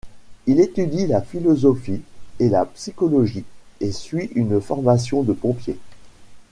Il étudie la philosophie et la psychologie et suis une formation de pompier.